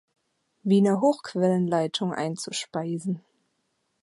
Wiener Hochquellenleitung einzuspeisen.